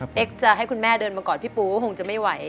จะให้คุณแม่เดินมากอดพี่ปูคงจะไม่ไหว